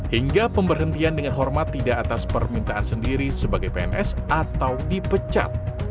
hingga pemberhentian dengan hormat tidak atas permintaan sendiri sebagai pns atau dipecat